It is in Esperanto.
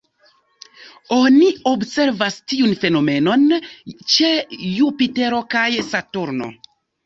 Oni observas tiun fenomenon ĉe Jupitero kaj Saturno.